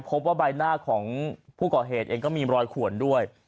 พบว่าใบหน้าของผู้ก่อเหตุเองก็มีรอยขวนด้วย